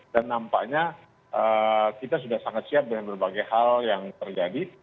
dan nampaknya kita sudah sangat siap dengan berbagai hal yang terjadi